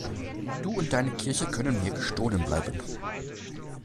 Du und deine Kirche könnt mir gestohlen bleiben.